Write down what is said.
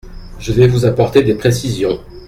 Je vais vous apporter des précisions.